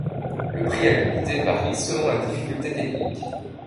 Le prix à l'unité varie selon la difficulté technique.